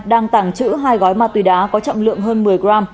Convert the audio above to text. đang tàng chữ hai gói ma túy đá có trọng lượng hơn một mươi g